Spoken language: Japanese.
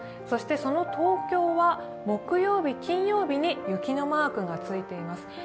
そしてその東京は木曜日、金曜日に雪のマークがついています。